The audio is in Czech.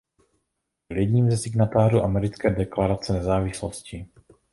Byl jedním ze signatářů americké deklarace nezávislosti.